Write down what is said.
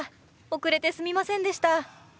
遅れてすみませんでした。